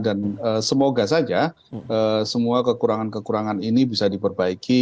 dan semoga saja semua kekurangan kekurangan ini bisa diperbaiki